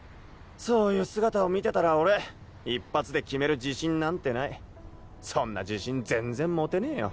そういう姿を見てたら俺一発で決める自信なんてないそんな自信全然もてねえよ。